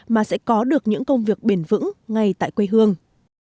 mà sẽ có được những công việc bền vững ngay tại quê hương